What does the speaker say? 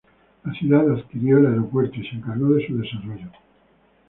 La ciudad adquirió el aeropuerto y se encargó de su desarrollo.